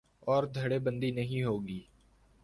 اور دھڑے بندی نہیں ہو گی۔